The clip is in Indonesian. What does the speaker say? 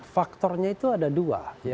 faktornya itu ada dua